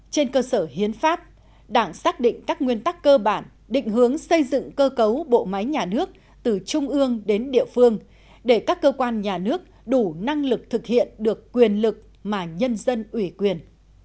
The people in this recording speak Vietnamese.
trên cơ sở hiến pháp đảng xác định các nguyên tắc cơ bản định hướng xây dựng cơ cấu bộ máy nhà nước từ trung ương đến địa phương để các cơ quan nhà nước đủ năng lực thực hiện được quyền lực mà nhân dân ủy quyền